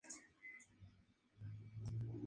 Ese mismo año es trasladado a Gerona.